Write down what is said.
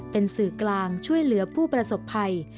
เป็นสื่อกลางช่วยเหลือผู้ประสบภัย